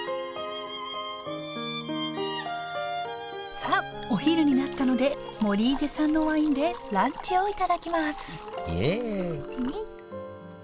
さあお昼になったのでモリーゼ産のワインでランチを頂きますイエイ！